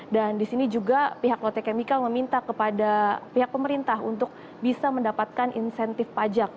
dan disini juga pihak lotte chemical meminta kepada pihak pemerintah untuk bisa mendapatkan insentif pajak